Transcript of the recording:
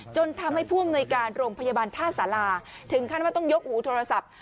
จนทำให้ผู้อำนวยการโรงพยาบาลท่าสาราถึงขั้นว่าต้องยกหูโทรศัพท์